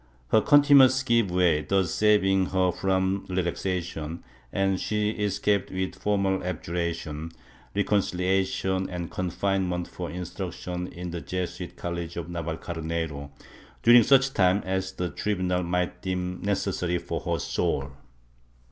Her contmnacy gave way, thus saving her from relaxation and she escaped with formal abjuration, reconciliation and confinement for instruction in the Jesuit college of Naval carnero, during such time as the tribunal might deem necessary for her soul.